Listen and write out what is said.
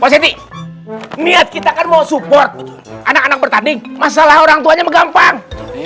posisi niat kita kan mau support anak anak bertanding masalah orangtuanya menggampang